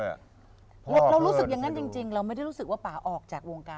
เรารู้สึกอย่างนั้นจริงเราไม่ได้รู้สึกว่าป่าออกจากวงการ